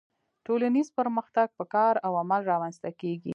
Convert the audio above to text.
ټولنیز پرمختګ په کار او عمل رامنځته کیږي